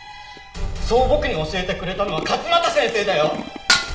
そう僕に教えてくれたのは勝又先生だよ！